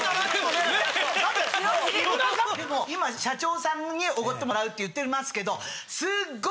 でも今社長さんにおごってもらうって言ってますけど。